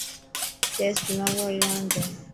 چيس دماغ واڙي راند هي.